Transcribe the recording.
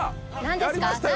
やりましたよ